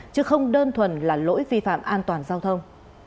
chứ không đơn thuần là lỗi vi phạm an toàn giao thông